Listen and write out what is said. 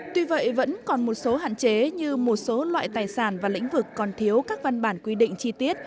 tuy vậy vẫn còn một số hạn chế như một số loại tài sản và lĩnh vực còn thiếu các văn bản quy định chi tiết